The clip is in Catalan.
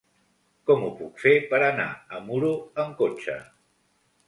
Com ho puc fer per anar a Muro amb cotxe?